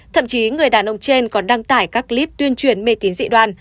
thậm chí người đàn ông trên còn đăng tải các clip tuyên truyền mê tín dị đoàn